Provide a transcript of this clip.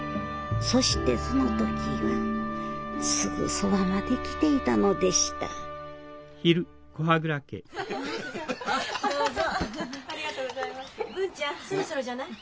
そしてその時はすぐそばまで来ていたのでした文ちゃんそろそろじゃない？